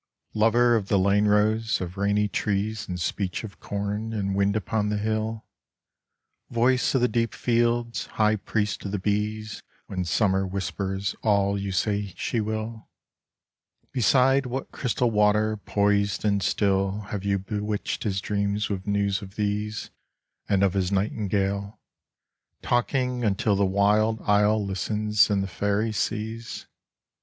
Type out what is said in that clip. Lover of the lane rose, of rainy trees And speech of corn and wind upon the hill, Voice of the deep fields, high priest of the bees When summer whispers all you say she will, Beside what crystal water poised and still Have you bewitched his dreams with news of these And of his nightingale, talking until The wild isle listens and the fairy seas?